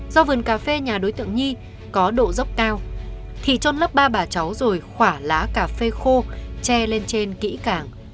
do vườn cà phê nhà đối tượng nhi có độ dốc cao thì trôn lấp ba bà cháu rồi khỏa lá cà phê khô che lên trên kỹ càng